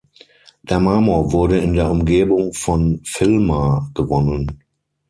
Der Marmor wurde in der Umgebung von Villmar gewonnen.